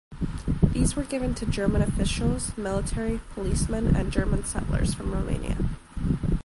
These were given to German officials, military, policemen and German settlers from Romania.